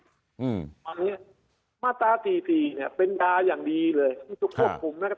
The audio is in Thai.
อืมอันนี้มาตราสี่สี่เนี่ยเป็นตาอย่างดีเลยทุกทุกควบคุม